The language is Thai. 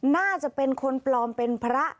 น่าจะเป็นคนปลอมเป็นพระ